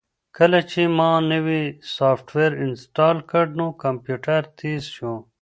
کله چې ما نوی سافټویر انسټال کړ نو کمپیوټر تېز شو.